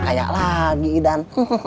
kayak lagi idan